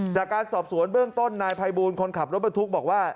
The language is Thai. จากการสอบสวนเบื้องต้นนายภัยบูลคนขับรถบรรทุกบอกว่า